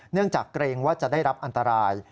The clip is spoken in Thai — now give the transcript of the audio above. จากเกรงว่าจะได้รับอันตราย